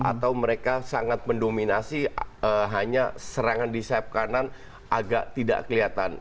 atau mereka sangat mendominasi hanya serangan di sayap kanan agak tidak kelihatan